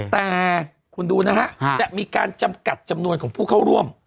แต่คุณดูนะฮะจะมีการจำกัดจำนวนของผู้เข้าร่วม